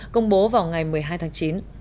công bố vào ngày một mươi hai tháng chín